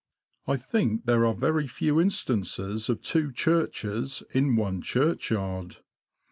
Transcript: I think there are very few instances of two churches in one churchyard.